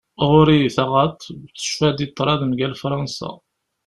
Ɣur-i taɣaḍt, tecfa-d i tṛad mgal Fransa.